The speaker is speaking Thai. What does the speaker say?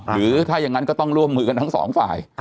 คือถ้ายังโน้นก็ต้องร่วมมือกันทั้ง๒ฝ่าย